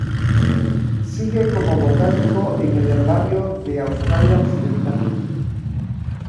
Sigue como botánico en el Herbario de Australia Occidental.